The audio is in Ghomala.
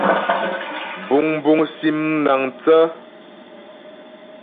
Buŋbuŋ sim mnaəŋthə́.